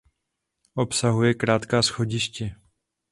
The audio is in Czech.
Obsahuje krátká schodiště.